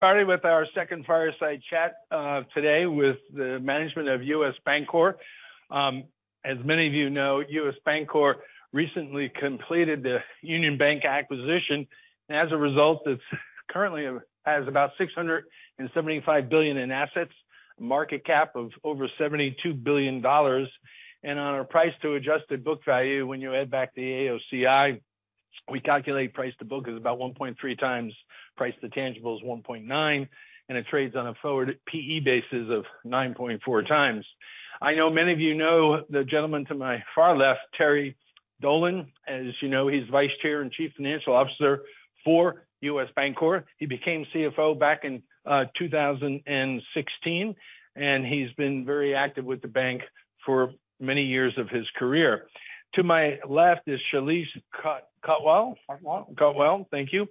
Starting with our second fireside chat today with the management of U.S. Bancorp. As many of you know, U.S. Bancorp recently completed the Union Bank acquisition. As a result, it has about $675 billion in assets, market cap of over $72 billion. On our price to adjusted book value, when you add back the AOCI, we calculate price to book is about 1.3 times. Price to tangible is 1.9, and it trades on a forward PE basis of 9.4 times. I know many of you know the gentleman to my far left, Terry Dolan. As you know, he's Vice Chair and Chief Financial Officer for U.S. Bancorp. He became CFO back in 2016, and he's been very active with the bank for many years of his career. To my left is Shailesh Kotwal? Kotwal. Kotwal. Thank you.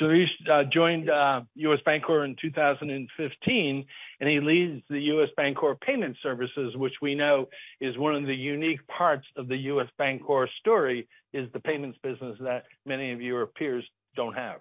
Shailesh joined U.S. Bancorp in 2015, and he leads the U.S. Bancorp Payment Services, which we know is one of the unique parts of the U.S. Bancorp story is the Payments business that many of your peers don't have.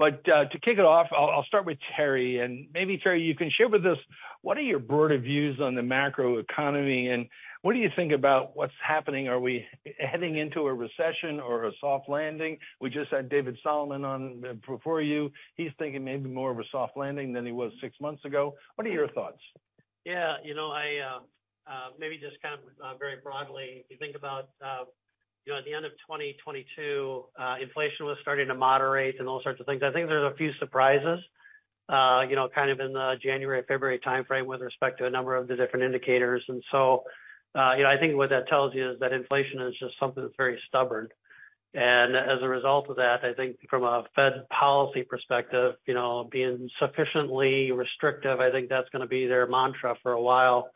To kick it off, I'll start with Terry, and maybe Terry, you can share with us what are your broader views on the macroeconomy, and what do you think about what's happening? Are we heading into a recession or a soft landing? We just had David Solomon on before you. He's thinking maybe more of a soft landing than he was six months ago. What are your thoughts? Yeah. You know, I, maybe just kind of, very broadly, if you think about, you know, at the end of 2022, inflation was starting to moderate and all sorts of things. I think there's a few surprises, you know, kind of in the January, February timeframe with respect to a number of the different indicators. You know, I think what that tells you is that inflation is just something that's very stubborn. As a result of that, I think from a Fed policy perspective, you know, being sufficiently restrictive, I think that's going to be their mantra for a while.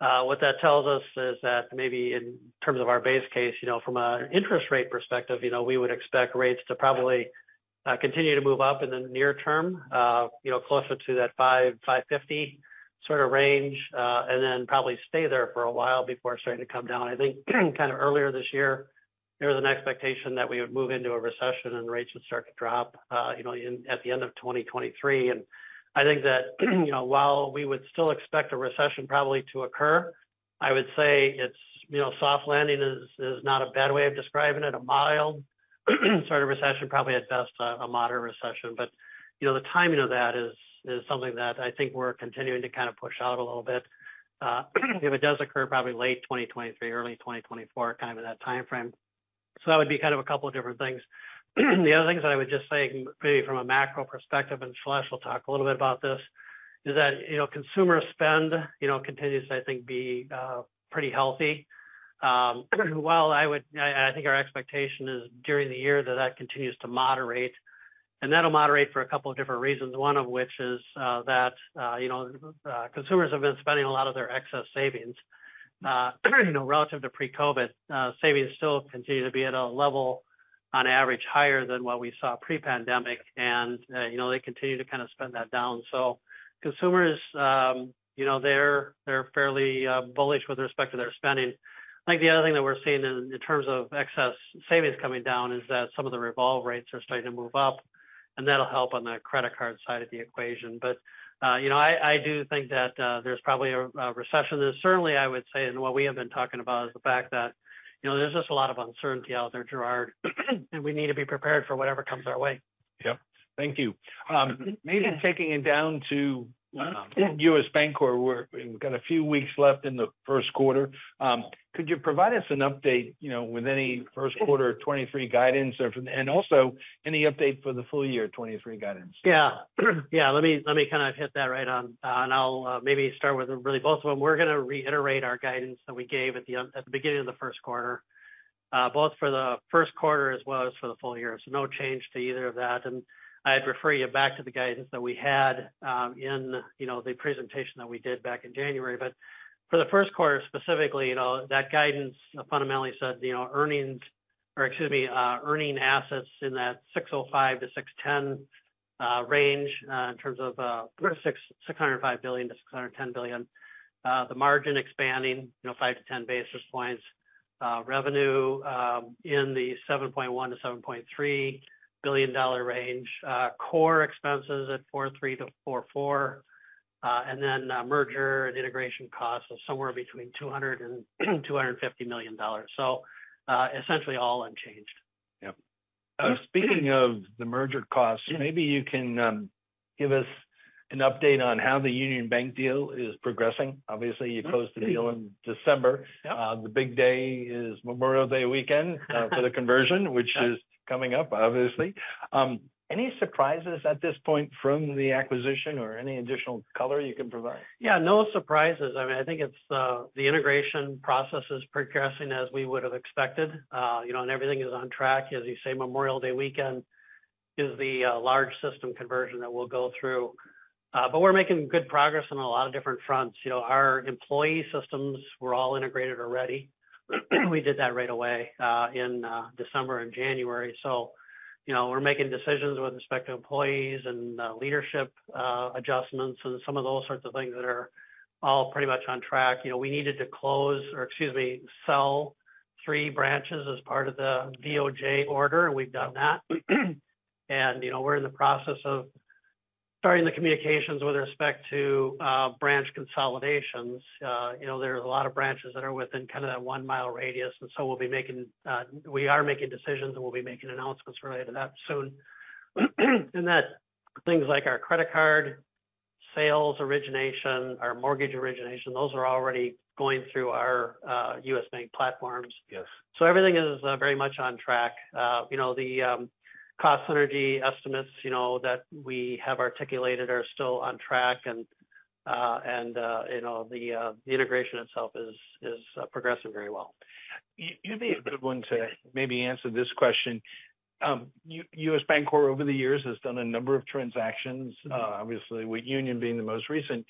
What that tells us is that maybe in terms of our base case, you know, from an interest rate perspective, you know, we would expect rates to probably continue to move up in the near term, you know, closer to that 5%-5.50% sort of range, and then probably stay there for a while before starting to come down. I think kind of earlier this year, there was an expectation that we would move into a recession and rates would start to drop, you know, at the end of 2023. I think that, you know, while we would still expect a recession probably to occur, I would say it's, you know, soft landing is not a bad way of describing it. A mild sort of recession, probably at best a moderate recession. You know, the timing of that is something that I think we're continuing to kind of push out a little bit. If it does occur probably late 2023, early 2024, kind of in that timeframe. That would be kind of a couple of different things. The other things that I would just say, maybe from a macro perspective, and Shailesh will talk a little bit about this, is that, you know, consumer spend, you know, continues to, I think, be pretty healthy. While I think our expectation is during the year that that continues to moderate, and that'll moderate for a couple of different reasons, one of which is that, you know, consumers have been spending a lot of their excess savings. You know, relative to pre-COVID, savings still continue to be at a level on average, higher than what we saw pre-pandemic. You know, they continue to kind of spend that down. Consumers, you know, they're fairly bullish with respect to their spending. I think the other thing that we're seeing in terms of excess savings coming down is that some of the revolve rates are starting to move up, and that'll help on the credit card side of the equation. You know, I do think that there's probably a recession. There's certainly, I would say and what we have been talking about is the fact that, you know, there's just a lot of uncertainty out there, Gerard, and we need to be prepared for whatever comes our way. Yep. Thank you. Maybe taking it down. Yeah. U.S. Bancorp, we've got a few weeks left in the first quarter. Could you provide us an update, you know, with any first quarter 2023 guidance or and also any update for the full year 2023 guidance? Yeah. Yeah. Let me kind of hit that right on, and I'll maybe start with really both of them. We're going to reiterate our guidance that we gave at the beginning of the first quarter, both for the first quarter as well as for the full year. No change to either of that. I'd refer you back to the guidance that we had, in, you know, the presentation that we did back in January. For the first quarter, specifically, you know, that guidance fundamentally said, you know, earnings or excuse me, earning assets in that $605 billion-$610 billion range, in terms of $605 billion-$610 billion. The margin expanding, you know, 5 basis points-10 basis points. Revenue, in the $7.1 billion-$7.3 billion range. Core expenses at $4.3 billion-$4.4 billion. Merger and integration costs of somewhere between $200 million and $250 million. Essentially all unchanged. Yep. Speaking of the merger costs. Maybe you can give us an update on how the Union Bank deal is progressing. Obviously, you closed the deal in December. Yeah. The big day is Memorial Day weekend, for the conversion, which is coming up, obviously. Any surprises at this point from the acquisition or any additional color you can provide? No surprises. I mean, I think it's, the integration process is progressing as we would've expected. You know, everything is on track. As you say, Memorial Day weekend is the large system conversion that we'll go through. We're making good progress on a lot of different fronts. You know, our employee systems were all integrated already. We did that right away, in December and January. You know, we're making decisions with respect to employees and leadership adjustments and some of those sorts of things that are all pretty much on track. You know, we needed to close or excuse me, sell three branches as part of the DOJ order, we've done that. You know, we're in the process of starting the communications with respect to branch consolidations. You know, there are a lot of branches that are within kind of that one-mile radius, and so we'll be making, we are making decisions, and we'll be making announcements related to that soon. Things like our credit card, sales origination, our mortgage origination, those are already going through our, U.S. Bank platforms. Yes. Everything is very much on track. You know, the cost synergy estimates, you know, that we have articulated are still on track. You know, the integration itself is progressing very well. You'd be a good one to maybe answer this question. U.S. Bancorp, over the years, has done a number of transactions, obviously, with Union being the most recent.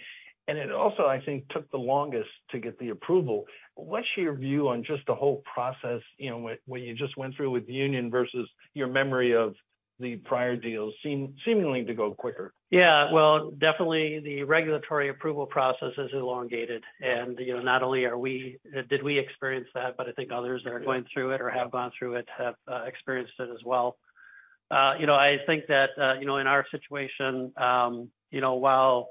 It also, I think, took the longest to get the approval. What's your view on just the whole process, you know, what you just went through with Union versus your memory of the prior deals seemingly to go quicker? Well, definitely the regulatory approval process is elongated. You know, not only did we experience that, but I think others that are going through it or have gone through it have experienced it as well. You know, I think that, you know, in our situation, you know, while,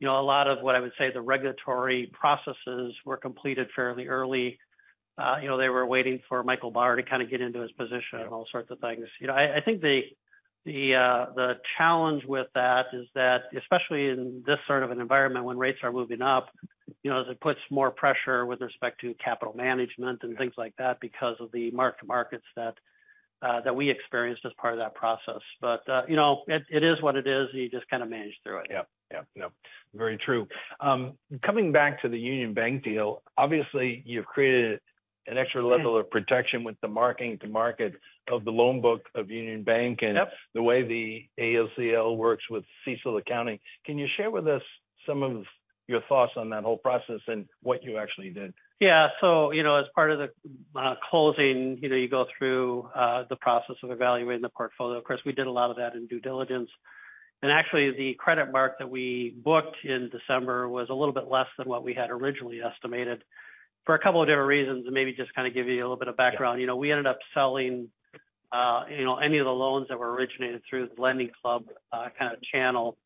you know, a lot of what I would say the regulatory processes were completed fairly early, you know, they were waiting for Michael Barr to kind of get into his position and all sorts of things. You know, I think the challenge with that is that, especially in this sort of an environment when rates are moving up, you know, is it puts more pressure with respect to capital management and things like that because of the mark-to-markets that we experienced as part of that process. You know, it is what it is. You just kind of manage through it. Yeah. Very true. Coming back to the Union Bank deal, obviously, you've created an extra level of protection with the marking-to-market of the loan book of Union Bank. Yep. The way the ACL works with CECL accounting. Can you share with us some of your thoughts on that whole process and what you actually did? Yeah. You know, as part of the closing, you know, you go through the process of evaluating the portfolio. Of course, we did a lot of that in due diligence. Actually, the credit mark that we booked in December was a little bit less than what we had originally estimated for a couple of different reasons. Maybe just kind of give you a little bit of background. We ended up selling, any of the loans that were originated through the LendingClub kind of channel.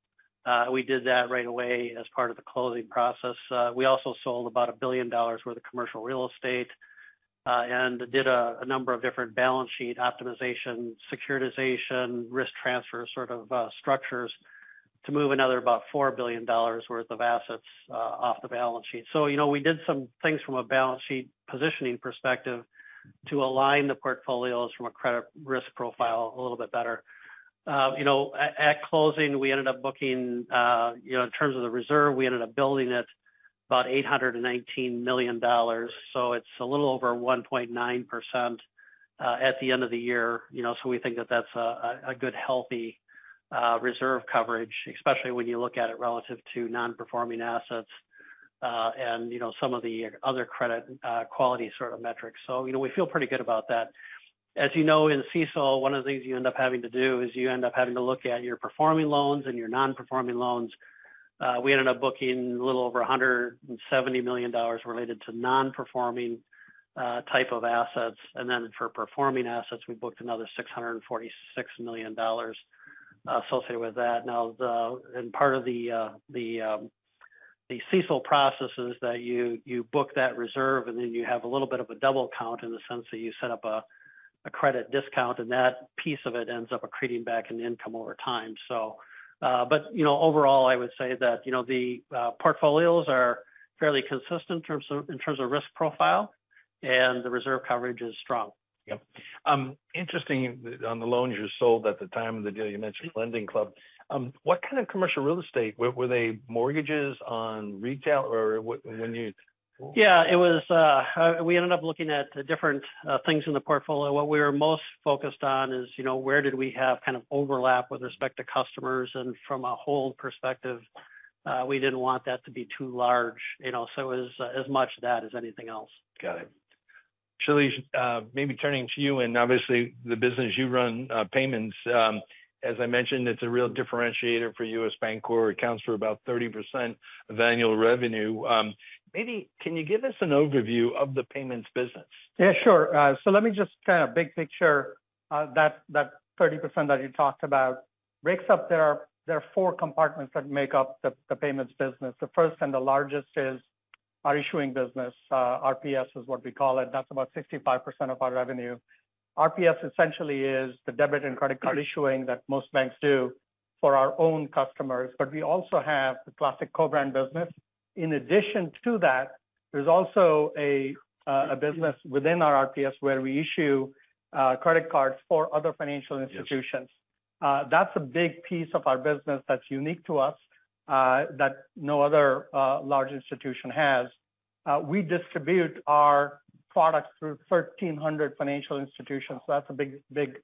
We did that right away as part of the closing process. We also sold about $1 billion worth of commercial real estate and did a number of different balance sheet optimization, securitization, risk transfer sort of structures to move another about $4 billion worth of assets off the balance sheet. We did some things from a balance sheet positioning perspective to align the portfolios from a credit risk profile a little bit better. At closing, we ended up booking, in terms of the reserve, we ended up building it about $819 million. It's a little over 1.9% at the end of the year. You know, we think that that's a good healthy reserve coverage, especially when you look at it relative to non-performing assets, and you know, some of the other credit quality sort of metrics. You know, we feel pretty good about that. As you know, in CECL, one of the things you end up having to do is you end up having to look at your performing loans and your non-performing loans. We ended up booking a little over $170 million related to non-performing type of assets. For performing assets, we booked another $646 million associated with that. Now, part of the CECL process is that you book that reserve, and then you have a little bit of a double count in the sense that you set up a credit discount, and that piece of it ends up accreting back in income over time. You know, overall, I would say that, you know, the portfolios are fairly consistent in terms of, in terms of risk profile, and the reserve coverage is strong. Yep. Interesting on the loans you sold at the time of the deal, you mentioned LendingClub. What kind of commercial real estate? Were they mortgages on retail or when you- Yeah. It was. We ended up looking at different things in the portfolio. What we were most focused on is, you know, where did we have kind of overlap with respect to customers? From a hold perspective, we didn't want that to be too large, you know. As much that as anything else. Got it. Shailesh, maybe turning to you and obviously the business you run, Payments. As I mentioned, it's a real differentiator for U.S. Bancorp. It accounts for about 30% of annual revenue. Maybe can you give us an overview of the Payments business? Yeah, sure. Let me just kind of big picture that 30% that you talked about breaks up. There are four compartments that make up the Payments business. The first and the largest is our Issuing business. RPS is what we call it. That's about 65% of our revenue. RPS essentially is the debit and credit card issuing that most banks do for our own customers, but we also have the classic co-brand business. In addition to that, there's also a business within our RPS where we issue credit cards for other financial institutions. That's a big piece of our business that's unique to us, that no other large institution has. We distribute our products through 1,300 financial institutions. That's a big, big,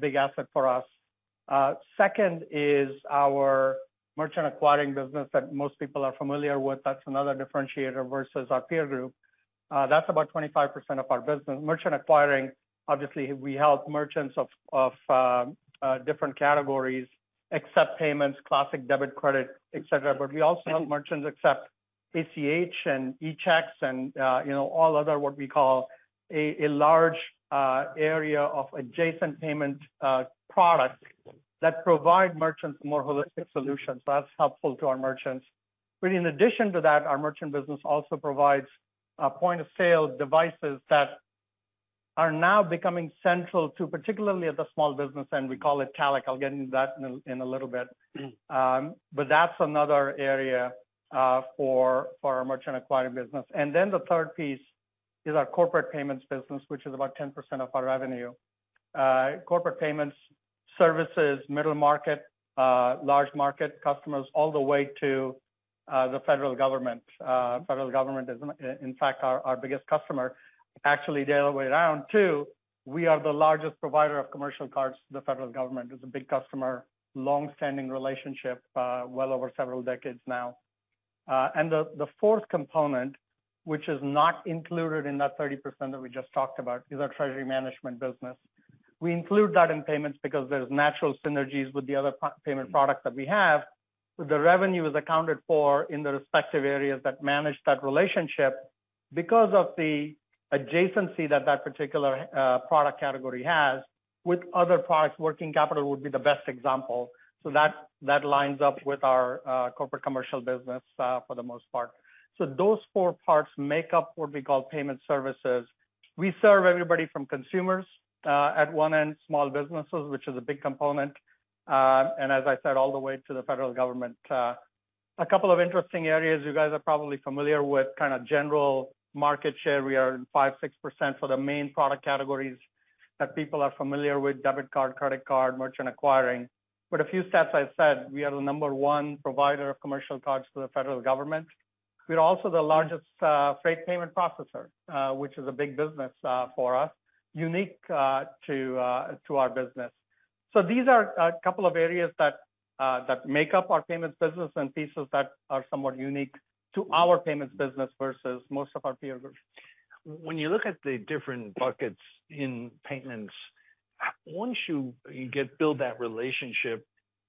big asset for us. Second is our merchant acquiring business that most people are familiar with. That's another differentiator versus our peer group. That's about 25% of our business. Merchant acquiring, obviously, we help merchants of different categories, accept payments, classic debit, credit, et cetera. We also help merchants accept ACH and eChecks and, you know, all other what we call a large area of adjacent payment products that provide merchants more holistic solutions. That's helpful to our merchants. In addition to that, our merchant business also provides point-of-sale devices that are now becoming central to particularly the small business, and we call it talech. I'll get into that in a little bit. That's another area for our merchant acquiring business. Then the third piece is our Corporate Payments business, which is about 10% of our revenue. Corporate Payments services middle market, large market customers all the way to the federal government. Federal government is in fact our biggest customer. Actually, the other way around too, we are the largest provider of commercial cards to the federal government. It's a big customer, long-standing relationship, well over several decades now. The fourth component, which is not included in that 30% that we just talked about, is our treasury management business. We include that in payments because there's natural synergies with the other payment products that we have, but the revenue is accounted for in the respective areas that manage that relationship because of the adjacency that that particular product category has with other products. Working capital would be the best example. That, that lines up with our corporate commercial business for the most part. Those four parts make up what we call Payment Services. We serve everybody from consumers at one end, small businesses, which is a big component, and as I said, all the way to the federal government. A couple of interesting areas you guys are probably familiar with, kind of general market share. We are 5%, 6% for the main product categories that people are familiar with, debit card, credit card, merchant acquiring. A few stats I said, we are the number one provider of commercial cards to the federal government. We're also the largest freight payment processor, which is a big business for us, unique to our business. These are a couple of areas that make up our Payments business and pieces that are somewhat unique to our Payments business versus most of our peer groups. When you look at the different buckets in payments, once you get build that relationship,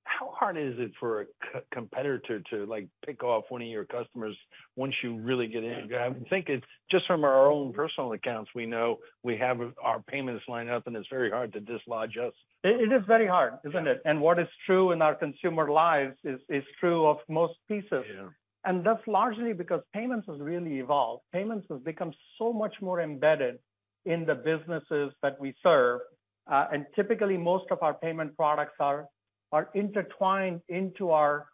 how hard is it for a competitor to, like, pick off one of your customers once you really get in? I would think it's just from our own personal accounts, we know we have our payments lined up, and it's very hard to dislodge us. It is very hard, isn't it? What is true in our consumer lives is true of most pieces. Yeah. That's largely because payments has really evolved. Payments has become so much more embedded in the businesses that we serve. Typically, most of our payment products are intertwined into our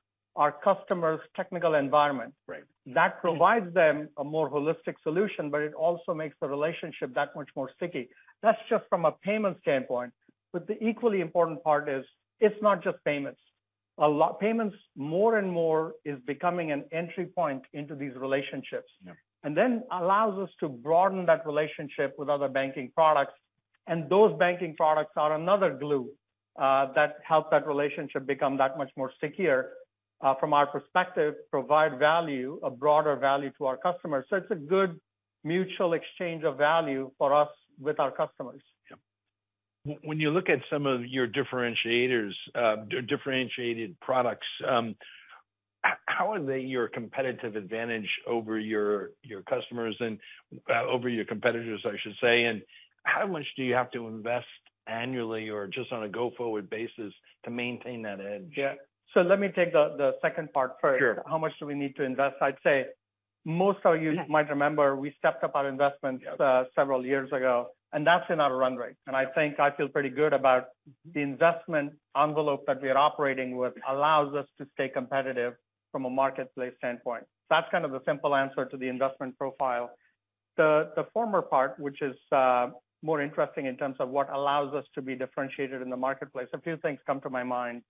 customers' technical environment. Right. That provides them a more holistic solution, but it also makes the relationship that much more sticky. That's just from a payment standpoint. The equally important part is it's not just payments. Payments more and more is becoming an entry point into these relationships. Yeah. And then allows us to broaden that relationship with other banking products, and those banking products are another glue, that help that relationship become that much more stickier, from our perspective, provide value, a broader value to our customers. It's a good mutual exchange of value for us with our customers. Yeah. When you look at some of your differentiators, or differentiated products, how are they your competitive advantage over your customers and over your competitors, I should say? How much do you have to invest annually or just on a go-forward basis to maintain that edge? Yeah. Let me take the second part first. Sure. How much do we need to invest? I'd say most of you might remember we stepped up our investments... Yes. Several years ago, that's in our run rate. I think I feel pretty good about the investment envelope that we are operating with allows us to stay competitive from a marketplace standpoint. That's kind of the simple answer to the investment profile. The former part, which is more interesting in terms of what allows us to be differentiated in the marketplace, a few things come to my mind.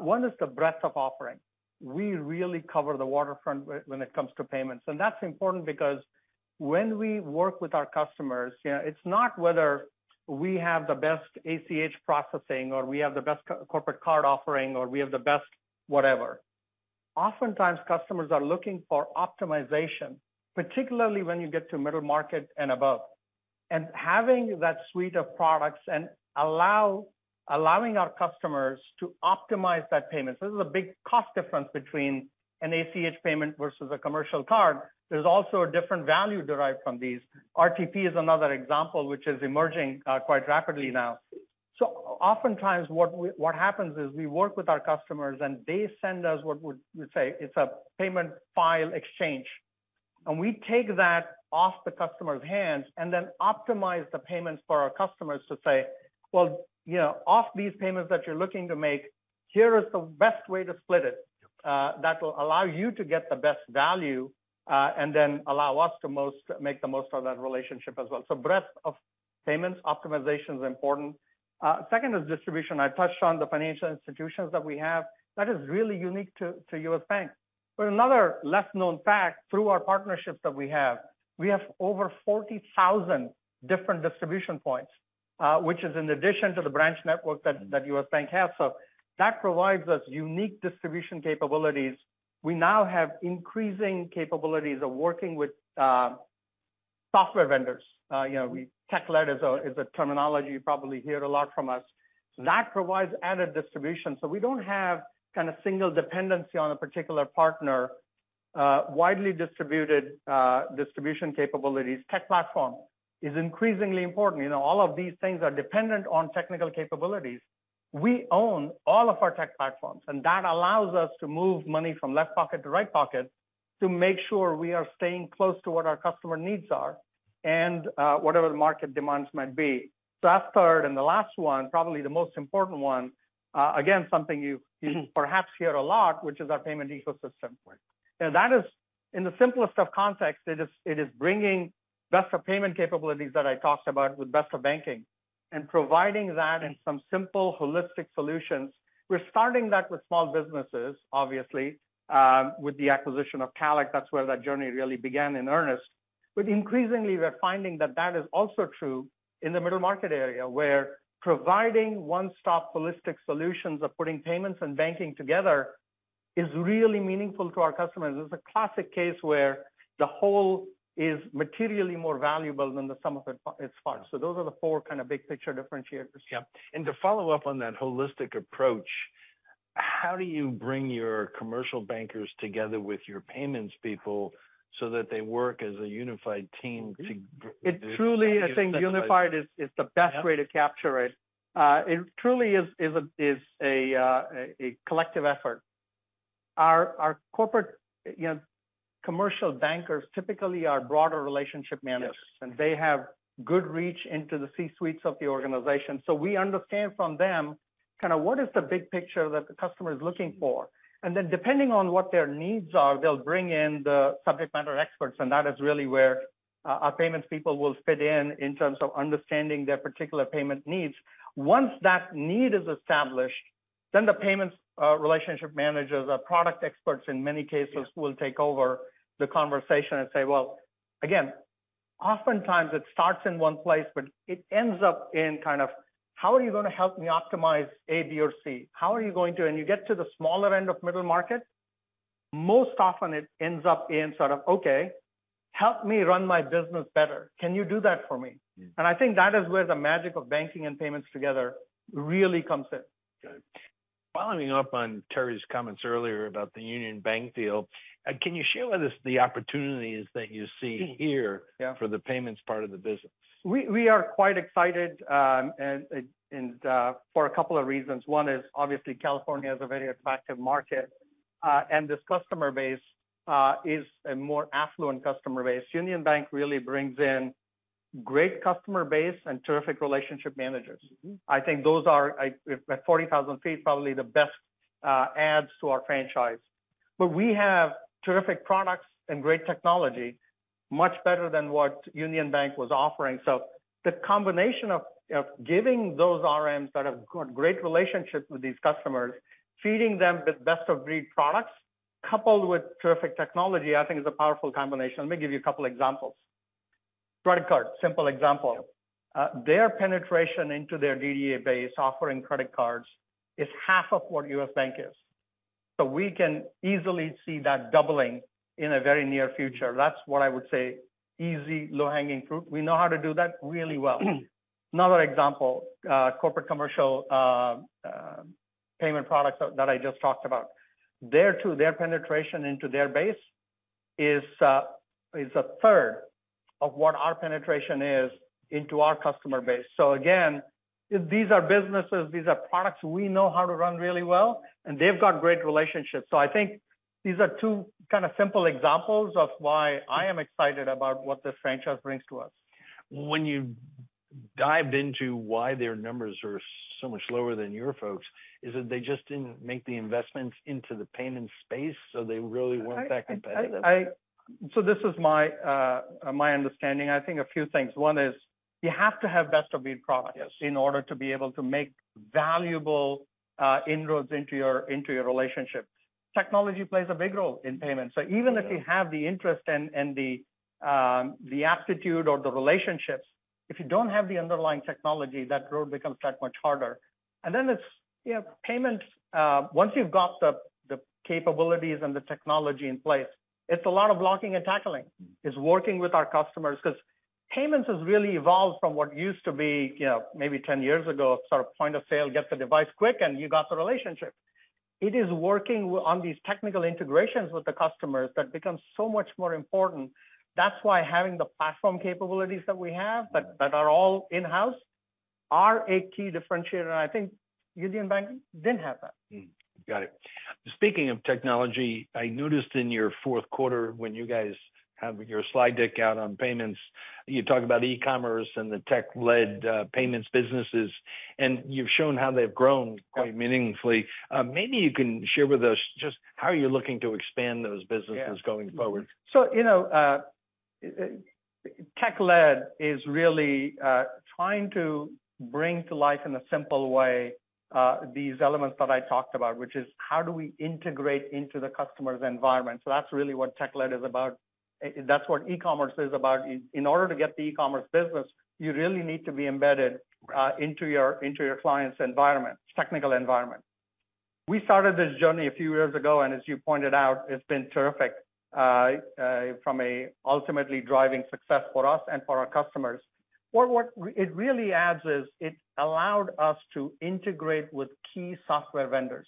One is the breadth of offering. We really cover the waterfront when it comes to payments. That's important because when we work with our customers, you know, it's not whether we have the best ACH processing or we have the best corporate card offering or we have the best whatever. Oftentimes, customers are looking for optimization, particularly when you get to middle market and above. Having that suite of products and allowing our customers to optimize that payment. There's a big cost difference between an ACH payment versus a commercial card. There's also a different value derived from these. RTP is another example, which is emerging quite rapidly now. Oftentimes, what happens is we work with our customers and they send us what we say it's a payment file exchange. We take that off the customer's hands and then optimize the payments for our customers to say, "Well, you know, of these payments that you're looking to make, here is the best way to split it, that will allow you to get the best value, and then allow us to make the most of that relationship as well." Breadth of payments optimization is important. Second is distribution. I touched on the financial institutions that we have. That is really unique to U.S. Bank. Another less-known fact through our partnerships that we have, we have over 40,000 different distribution points, which is in addition to the branch network that U.S. Bank has. That provides us unique distribution capabilities. We now have increasing capabilities of working with software vendors. You know, we tech-led is a terminology you probably hear a lot from us. That provides added distribution. We don't have kind of single dependency on a particular partner, widely distributed distribution capabilities. Tech platform is increasingly important. You know, all of these things are dependent on technical capabilities. We own all of our tech platforms, and that allows us to move money from left pocket to right pocket to make sure we are staying close to what our customer needs are and whatever the market demands might be. That's third. The last one, probably the most important one, again, something you perhaps hear a lot, which is our payment ecosystem play. You know, that is in the simplest of context, it is bringing best of payment capabilities that I talked about with best of banking and providing that in some simple, holistic solutions. We're starting that with small businesses, obviously, with the acquisition of talech. That's where that journey really began in earnest. Increasingly we're finding that that is also true in the middle market area, where providing one-stop holistic solutions of putting payments and banking together is really meaningful to our customers. This is a classic case where the whole is materially more valuable than the sum of its parts. Those are the four kind of big picture differentiators. Yeah. To follow up on that holistic approach, how do you bring your commercial bankers together with your payments people so that they work as a unified team? I think unified is the best way to capture it. It truly is a collective effort. Our corporate, you know, commercial bankers typically are broader relationship managers. Yes. They have good reach into the C-suites of the organization. We understand from them kind of what is the big picture that the customer is looking for. Depending on what their needs are, they'll bring in the subject matter experts, and that is really where our payments people will fit in terms of understanding their particular payment needs. Once that need is established, the payments relationship managers or product experts in many cases will take over the conversation and say, "Well," again, oftentimes it starts in one place, but it ends up in kind of, "How are you gonna help me optimize A, B, or C?" You get to the smaller end of middle market, most often it ends up in sort of, "Okay, help me run my business better. Can you do that for me?" I think that is where the magic of banking and payments together really comes in. Good. Following up on Terry's comments earlier about the Union Bank deal, can you share with us the opportunities that you see here? Yeah. For the payments part of the business? We are quite excited for a couple of reasons. One is obviously California is a very attractive market, and this customer base is a more affluent customer base. Union Bank really brings in great customer base and terrific relationship managers. I think those are at 40,000 ft, probably the best adds to our franchise. We have terrific products and great technology, much better than what Union Bank was offering. The combination of giving those RMs that have got great relationships with these customers, feeding them with best-of-breed products coupled with terrific technology, I think is a powerful combination. Let me give you a couple examples. Credit card, simple example. Yeah. Their penetration into their DDA base offering credit cards is half of what U.S. Bank is. We can easily see that doubling in a very near future. That's what I would say, easy low-hanging fruit. We know how to do that really well. Another example, corporate commercial payment products that I just talked about. There too, their penetration into their base is a third of what our penetration is into our customer base. Again, these are businesses, these are products we know how to run really well, and they've got great relationships. I think these are two kind of simple examples of why I am excited about what this franchise brings to us. When you dived into why their numbers are so much lower than your folks, is it they just didn't make the investments into the payment space, so they really weren't that competitive? This is my understanding. I think a few things. One is you have to have best-of-breed products. Yes. In order to be able to make valuable inroads into your, into your relationships. Technology plays a big role in payments. Even if you have the interest and the aptitude or the relationships, if you don't have the underlying technology, that road becomes that much harder. It's, you know, payments, once you've got the capabilities and the technology in place, it's a lot of blocking and tackling. It's working with our customers. Payments has really evolved from what used to be, you know, maybe 10 years ago, sort of point of sale, get the device quick, and you got the relationship. It is working on these technical integrations with the customers that becomes so much more important. That's why having the platform capabilities that we have, but are all in-house, are a key differentiator. I think Union Bank didn't have that. Got it. Speaking of technology, I noticed in your fourth quarter when you guys have your slide deck out on payments, you talk about e-commerce and the tech-led payments businesses, and you've shown how they've grown quite meaningfully. Maybe you can share with us just how you're looking to expand those businesses going forward. You know, tech-led is really trying to bring to life in a simple way these elements that I talked about, which is how do we integrate into the customer's environment? That's really what tech-led is about. That's what e-commerce is about. In order to get the e-commerce business, you really need to be embedded into your, into your client's environment, technical environment. We started this journey a few years ago, as you pointed out, it's been terrific from a ultimately driving success for us and for our customers. What it really adds is it allowed us to integrate with key software vendors.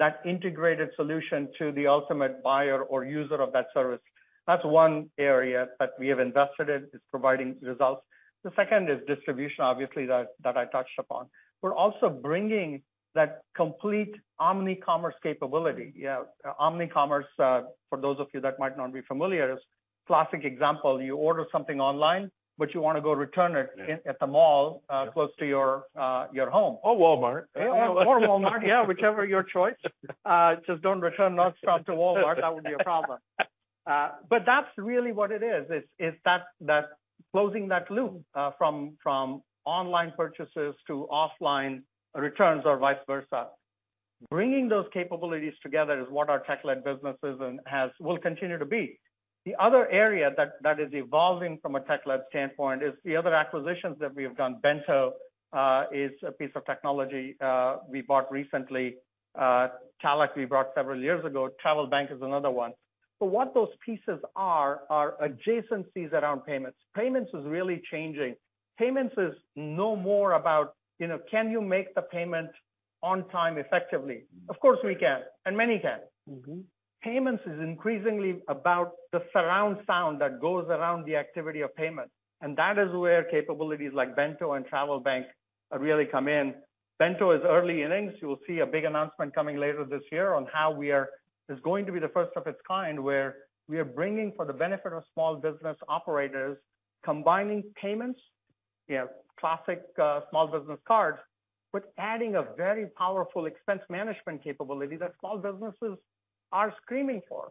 That partnership is critical in order to provide that integrated solution to the ultimate buyer or user of that service. That's one area that we have invested in. It's providing results. The second is distribution, obviously, that I touched upon. We're also bringing that complete omni-commerce capability. Yeah, omni-commerce, for those of you that might not be familiar is classic example, you order something online, but you wanna go return it. Yeah. At the mall, close to your home. Or Walmart. Or Walmart, yeah, whichever your choice. Just don't return Nordstrom to Walmart. That would be a problem. That's really what it is is that closing that loop from online purchases to offline returns or vice versa. Bringing those capabilities together is what our tech-led businesses and will continue to be. The other area that is evolving from a tech-led standpoint is the other acquisitions that we have done. Bento is a piece of technology we bought recently. talech we bought several years ago. TravelBank is another one. What those pieces are adjacencies around payments. Payments is really changing. Payments is no more about, you know, can you make the payment on time effectively? Of course, we can, and many can. Mm-hmm. Payments is increasingly about the surround sound that goes around the activity of payment, and that is where capabilities like Bento and TravelBank really come in. Bento is early innings. You'll see a big announcement coming later this year on how it's going to be the first of its kind, where we are bringing for the benefit of small business operators, combining payments, you know, classic, small business cards, but adding a very powerful expense management capability that small businesses are screaming for.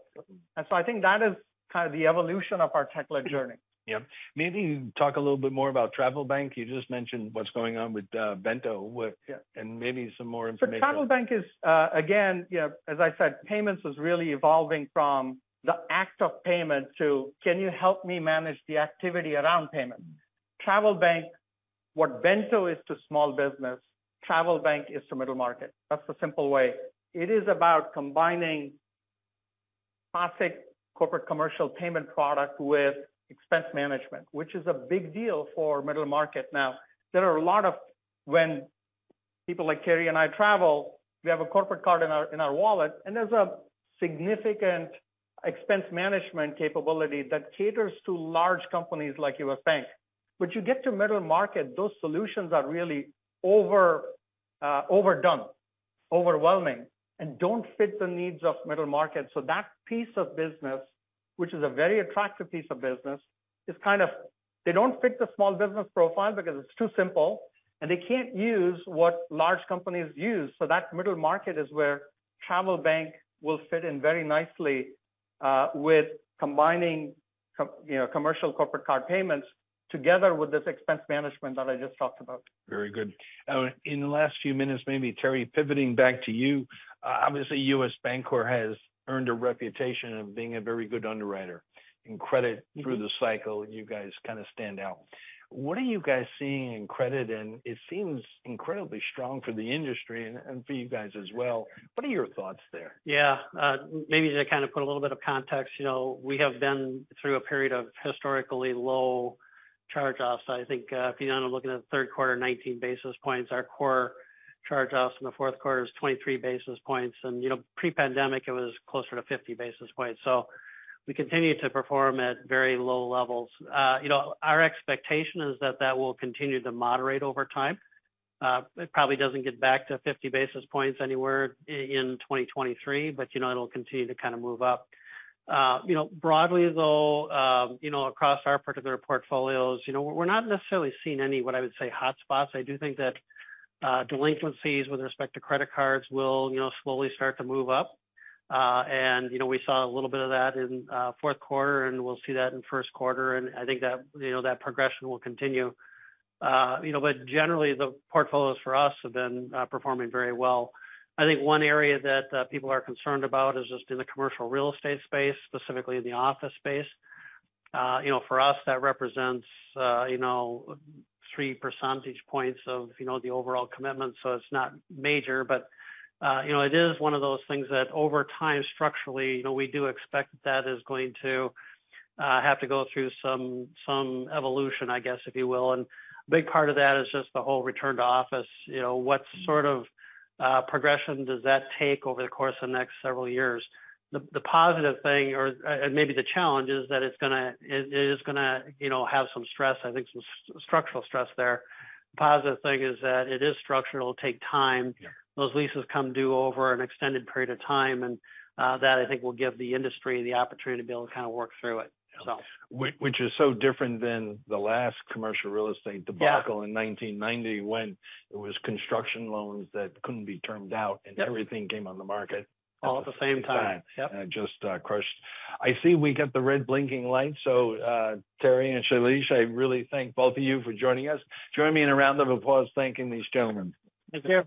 I think that is kind of the evolution of our tech-led journey. Yeah. Maybe talk a little bit more about TravelBank. You just mentioned what's going on with Bento. Yeah. Maybe some more information. TravelBank is again, as I said, payments is really evolving from the act of payment to can you help me manage the activity around payment? TravelBank, what Bento is to small business, TravelBank is to middle market. That's the simple way. It is about combining classic corporate commercial payment product with expense management, which is a big deal for middle market. Now, there are a lot of when people like Terry and I travel, we have a corporate card in our wallet, and there's a significant expense management capability that caters to large companies like U.S. Bank. You get to middle market, those solutions are really overdone, overwhelming, and don't fit the needs of middle market. That piece of business, which is a very attractive piece of business, is kind of they don't fit the small business profile because it's too simple and they can't use what large companies use. That middle market is where TravelBank will fit in very nicely, with combining you know, commercial corporate card payments together with this expense management that I just talked about. Very good. In the last few minutes, maybe Terry pivoting back to you. Obviously, U.S. Bancorp has earned a reputation of being a very good underwriter in credit through the cycle. You guys kinda stand out. What are you guys seeing in credit? It seems incredibly strong for the industry and for you guys as well. What are your thoughts there? Yeah. Maybe to kind of put a little bit of context, you know, we have been through a period of historically low charge-offs. I think, if you and I'm looking at the third quarter, 19 basis points, our core charge-offs in the fourth quarter is 23 basis points. You know, pre-pandemic, it was closer to 50 basis points. We continue to perform at very low levels. You know, our expectation is that that will continue to moderate over time. It probably doesn't get back to 50 basis points anywhere in 2023, but, you know, it'll continue to kinda move up. You know, broadly though, you know, across our particular portfolios, you know, we're not necessarily seeing any what I would say hotspots. I do think that delinquencies with respect to credit cards will, you know, slowly start to move up. You know, we saw a little bit of that in fourth quarter, and we'll see that in first quarter. I think that, you know, that progression will continue. You know, but generally, the portfolios for us have been performing very well. I think one area that people are concerned about is just in the commercial real estate space, specifically in the office space. You know, for us, that represents, you know, 3 percentage points of the overall commitment, so it's not major. You know, it is one of those things that over time, structurally, you know, we do expect that is going to have to go through some evolution, I guess, if you will. A big part of that is just the whole return to office. You know, what sort of progression does that take over the course of the next several years? The positive thing or, and maybe the challenge is that it is gonna, you know, have some stress, I think some structural stress there. The positive thing is that it is structural, it'll take time. Yeah. Those leases come due over an extended period of time, and that I think will give the industry the opportunity to be able to kinda work through it. Which is so different than the last commercial real estate debacle... Yeah. In 1990 when it was construction loans that couldn't be termed out. Yeah. And everything came on the market. All at the same time. Yep. Just, crushed. I see we got the red blinking light. Terry and Shailesh, I really thank both of you for joining us. Join me in a round of applause thanking these gentlemen. Thank you.